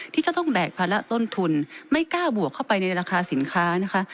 ที่จะต้องแบกภาระต้นทุนไม่กล้าบวกเข้าไปในราคาสินค้านะคะ